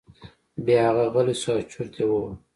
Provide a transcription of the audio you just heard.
بیا هغه غلی شو او چرت یې وواهه.